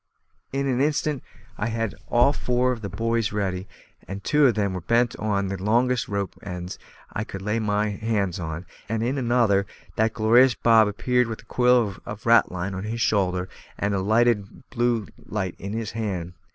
In an instant I had all four of the buoys ready, and two of them bent on to the longest rope ends I could lay my hands on, and, in another, that glorious Bob appeared with a coil of ratline on his shoulder and a lighted blue light in his hand.